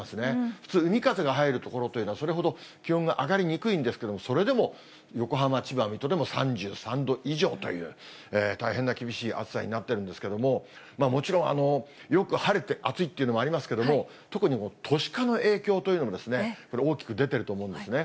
普通海風が入る所というのは、それほど気温が上がりにくいんですけれども、それでも横浜、千葉、水戸でも３３度以上という大変な厳しい暑さになってるんですけども、もちろん、よく晴れて暑いっていうのもありますけれども、特に都市化の影響というのも大きく出てると思うんですね。